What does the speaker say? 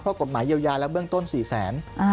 เพราะกฎหมายเยียวยาและเบื้องต้น๔แสน